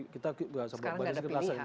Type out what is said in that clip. sekarang tidak ada pilihan